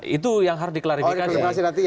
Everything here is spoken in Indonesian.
itu yang harus diklarifikasi